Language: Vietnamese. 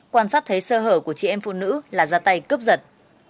quan sát thấy sơ hở của chị em phụ nữ là ra tay cướp giật